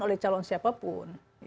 oleh calon siapapun